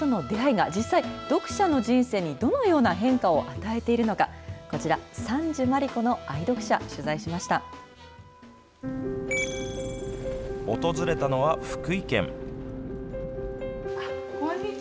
漫画との出会いが実際、読者の人生にどのような変化を与えているのか、こちら傘寿まり子の愛読者を訪れたのは、福井県。